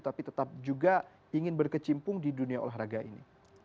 tapi tetap juga ingin berkecimpung di dunia olahraga ini